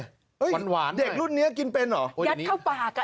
กินหวานเด็กรุ่นนี้กินเป็นเหรอยัดเข้าปากอ่ะ